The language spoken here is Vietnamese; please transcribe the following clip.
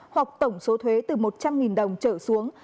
hoặc tổng số thuế từ một trăm linh đồng trở xuống